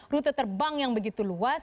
rute terbang yang begitu luas